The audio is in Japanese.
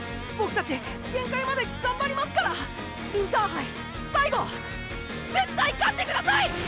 たち限界まで頑張りますからインターハイ最後絶対勝って下さい！